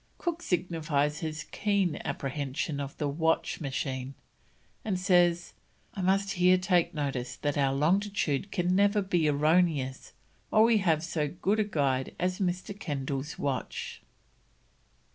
Cook signifies his keen appreciation of the watch machine, and says: "I must here take notice that our longitude can never be erroneous while we have so good a guide as Mr. Kendal's watch."